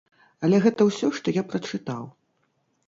Але гэта ўсё, што я прачытаў.